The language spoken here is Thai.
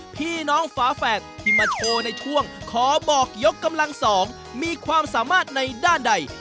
พี่น้องฝาแฝดที่มาโชว์ในช่วงขอบอกยกกำลังสองมีความสามารถในด้านใด